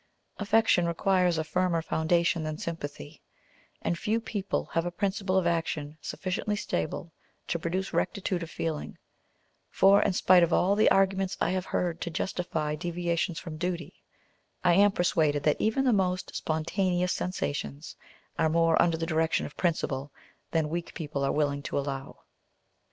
Affection requires a firmer foundation than sympathy, and few people have a principle of action sufficiently stable to produce rectitude of feeling; for in spite of all the arguments I have heard to justify deviations from duty, I am persuaded that even the most spontaneous sensations are more under the direction of principle than weak people are willing to allow.